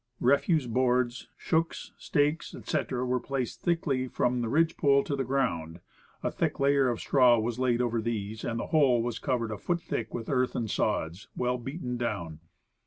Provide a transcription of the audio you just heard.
Refuse boards, shooks, stakes, etc., were placed thickly from the ridge pole to the ground ; a thick layer of straw was laid over these, and the whole was covered a foot thick with earth and sods, well beaten down.